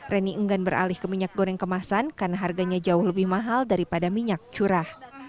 reni enggan beralih ke minyak goreng kemasan karena harganya jauh lebih mahal daripada minyak curah